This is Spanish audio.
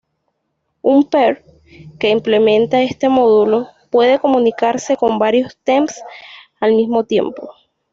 Un "peer" que implementa este módulo puede comunicarse con varios "teams" al mismo tiempo.